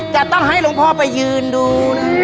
จะต้องให้หลวงพ่อไปยืนดูนะ